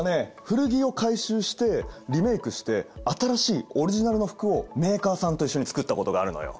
古着を回収してリメークして新しいオリジナルの服をメーカーさんと一緒に作ったことがあるのよ。